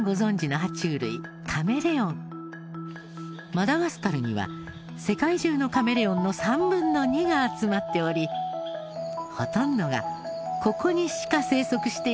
マダガスカルには世界中のカメレオンの３分の２が集まっておりほとんどがここにしか生息していない固有種。